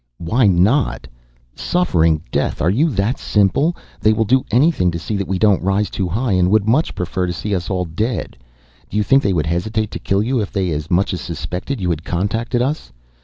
"Why not! Suffering death are you that simple! They will do anything to see that we don't rise too high, and would much prefer to see us all dead. Do you think they would hesitate to kill you if they as much as suspected you had contacted us?